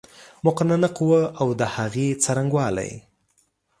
مقننه قوه اود هغې څرنګوالی